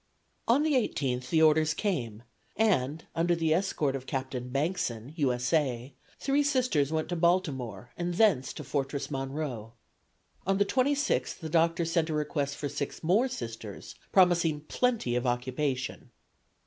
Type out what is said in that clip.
On the 18th the orders came, and, under the escort of Captain Bankson, U. S. A., three Sisters went to Baltimore and thence to Fortress Monroe. On the 26th the Doctor sent a request for six more Sisters, promising plenty of occupation.